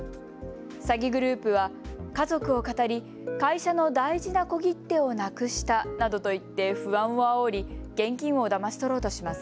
詐欺グループは家族をかたり会社の大事な小切手をなくしたなどと言って不安をあおり現金をだまし取ろうとします。